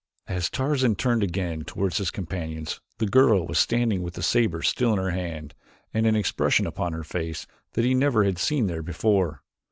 As Tarzan turned again toward his companions, the girl was standing with the saber still in her hand and an expression upon her face that he never had seen there before.